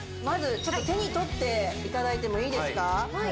まずちょっと手に取っていただいてもいいですか？